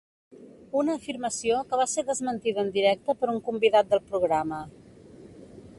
Una afirmació que va ser desmentida en directe per un convidat del programa.